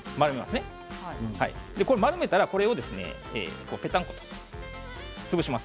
丸めたらこれをですねぺったんこ、潰します。